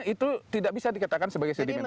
itu tidak bisa dikatakan sebagai sedimentasi